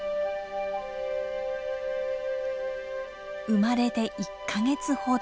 生まれて１か月ほど。